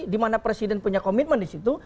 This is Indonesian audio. dimana presiden punya komitmen disitu